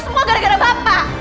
semua gara gara bapak